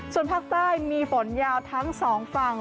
ส่วนภาคใต้มีฝนยาวทั้งสองฝั่ง